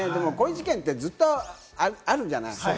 こういう事件ってずっとあるじゃない。